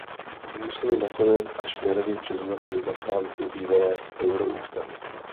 To museli nakonec, ač neradi, přiznat i zastánci bývalé euroústavy.